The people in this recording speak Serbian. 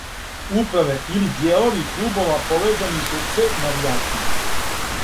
Управе или дијелови клубова повезани су с навијачима.